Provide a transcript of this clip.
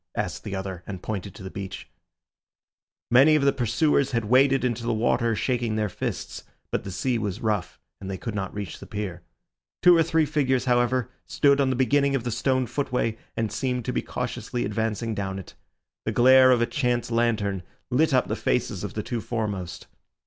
asked the other, and pointed to the beach. Many of their pursuers had waded into the water shaking their fists, but the sea was rough, and they could not reach the pier. Two or three figures, however, stood on the beginning of the stone footway, and seemed to be cautiously advancing down it. The glare of a chance lantern lit up the faces of the two foremost.